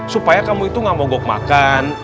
supaya kamu itu gak mogok makan